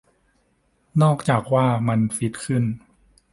นอกจากว่ามันฟิตขึ้น